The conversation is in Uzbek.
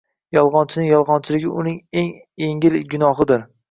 Yolg`onchining yolg`onchiligi uning eng engil gunohidir